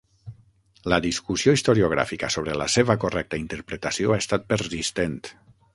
La discussió historiogràfica sobre la seva correcta interpretació ha estat persistent.